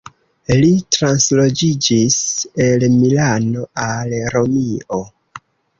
Li transloĝiĝis el Milano al Romio.